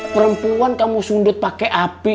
perempuan kamu sundut pakai api